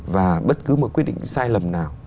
và bất cứ một quyết định sai lầm nào